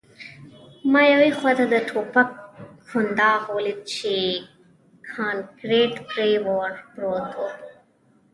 ما یوې خواته د ټوپک کنداغ ولید چې کانکریټ پرې پروت و